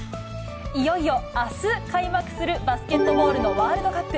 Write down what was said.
いよいよあす開幕するバスケットボールのワールドカップ。